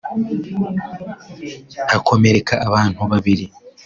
hakomereka abantu babiri